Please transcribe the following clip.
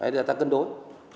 đấy là ta cân đối